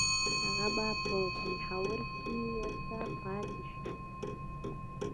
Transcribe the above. هغه به په پېښور کې ورته پاته شي.